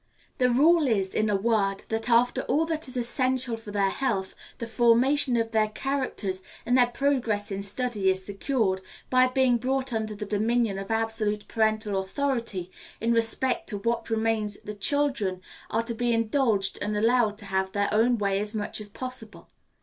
The rule is, in a word, that, after all that is essential for their health, the formation of their characters, and their progress in study is secured, by being brought under the dominion of absolute parental authority, in respect to what remains the children are to be indulged and allowed to have their own way as much as possible.